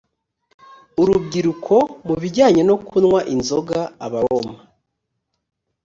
urubyiruko mu bijyanye no kunywa inzoga abaroma